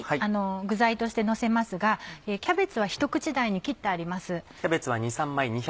具材としてのせますがキャベツはひと口大に切ってあります。